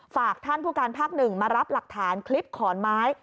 ฝากท่านผู้การภาคหนึ่งมารับหลักฐานคลิปขอนไม้